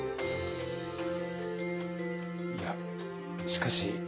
いやしかし。